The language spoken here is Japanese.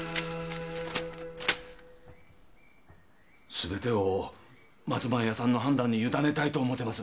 すべてを松前屋さんの判断にゆだねたいと思うてます